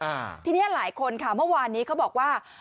อ่าทีเนี้ยหลายคนค่ะเมื่อวานนี้เขาบอกว่า